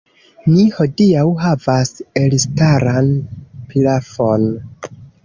Ni hodiaŭ havas elstaran pilafon!